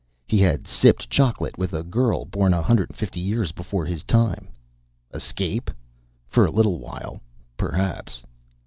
He had sipped chocolate with a girl born a hundred and fifty years before his time. Escape? For a little while, perhaps.